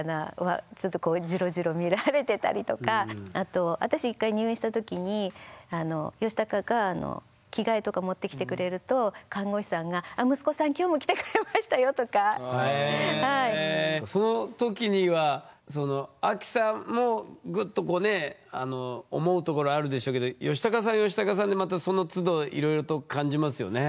ちょっとこうあと私１回入院した時にヨシタカが着替えとか持ってきてくれるとえその時にはそのアキさんもグッとこうね思うところあるでしょうけどヨシタカさんはヨシタカさんでまたそのつどいろいろと感じますよね？